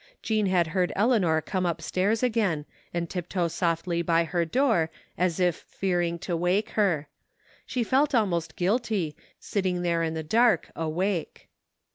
Jean had heard Eleanor come upstairs again, and tiptoe softly by her door as if fearing to wake her. She felt almost guilty, sitting there in the dark awake.